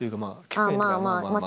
まあまあ。